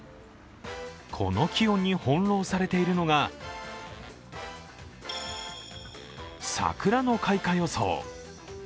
この気温に翻弄されているのが桜の開花予想。